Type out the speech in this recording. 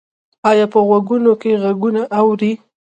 ایا په غوږونو کې غږونه اورئ؟